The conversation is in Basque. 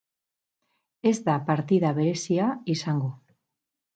Ez da partida berezia izango.